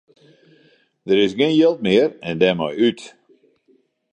Der is gjin jild mear en dêrmei út.